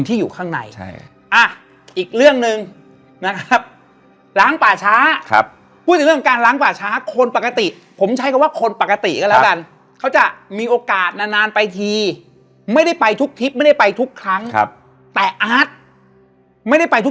มีห้องน้ำใหม่ก็บอกเออตรงนี้มีเพลิงอยู่